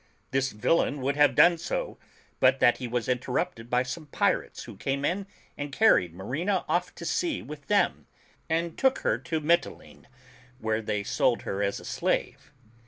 This villain would have done so, but that he was interrupted by some pirates who came in and carried Marina off to sea with them, and took her to Mitylene, where they sold her as a slave.